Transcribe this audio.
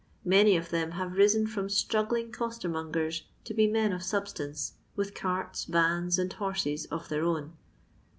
Many of them have riaen from •troggling eoetermongers, to be men of rabatance, with carta, Tana, and horsea of their own.